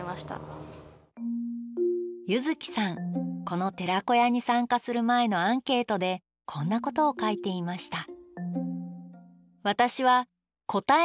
この寺子屋に参加する前のアンケートでこんなことを書いていました